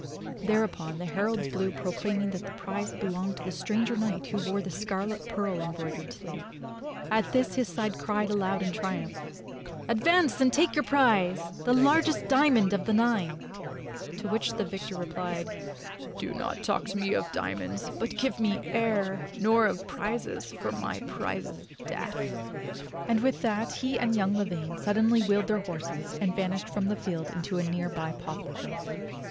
Thereupon the heralds blew pro claiming that the prize belonged to the stranger knight who wore the scarlet, pearl embroidered sleeve. At this his side cried aloud in triumph: "Advance, and take your prize, the largest diamond of the nine!" To which the victor replied : "Do not talk to me of diamonds, but give me air; nor of prizes, for my prize is death!" THE ADVENTURES OF LAUNCELOT 87 And with that he and young Lavaine suddenly wheeled their horses, and vanished from the field into a nearby poplar grove.